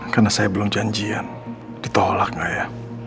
karena saya belum janjian ditolak tidak ya